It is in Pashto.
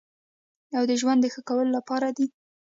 او د ژوند د ښه کولو لپاره دی.